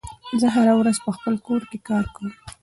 زه هره ورځ په خپل کور کې کار کوم.